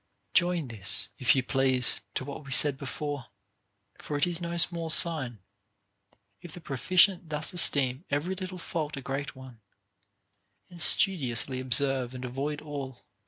17. Join this, if you please, to what we said before; for it is no small sign, if the proficient thus esteem every little fault a great one, and studiously observe and avoid all.